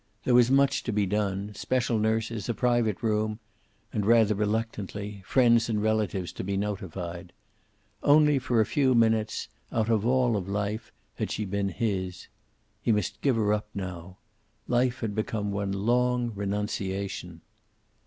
There was much to be done, special nurses, a private room, and rather reluctantly friends and relatives to be notified. Only for a few minutes, out of all of life, had she been his. He must give her up now. Life had become one long renunciation.